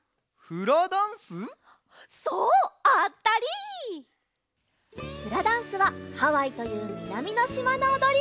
フラダンスはハワイというみなみのしまのおどり！